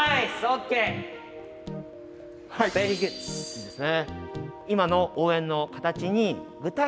いいですね。